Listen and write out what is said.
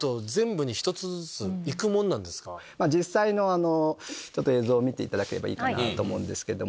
実際の映像を見ていただければいいかなと思うんですけども。